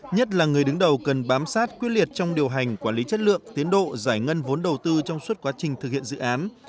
nhất là người đứng đầu cần bám sát quyết liệt trong điều hành quản lý chất lượng tiến độ giải ngân vốn đầu tư trong suốt quá trình thực hiện dự án